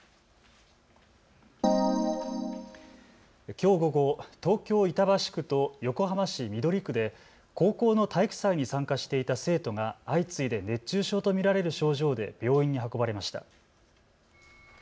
きょう午後、東京板橋区と横浜市緑区で高校の体育祭に参加していた生徒が相次いで熱中症と見られる症状で病院に運ばれました。